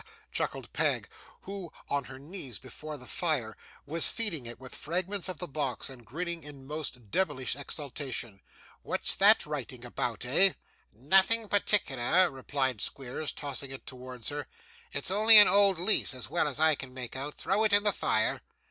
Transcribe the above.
chuckled Peg, who, on her knees before the fire, was feeding it with fragments of the box, and grinning in most devilish exultation. 'What's that writing about, eh?' 'Nothing particular,' replied Squeers, tossing it towards her. 'It's only an old lease, as well as I can make out. Throw it in the fire.